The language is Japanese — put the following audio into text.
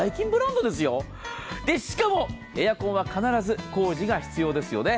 しかも、エアコンは必ず工事が必要ですよね。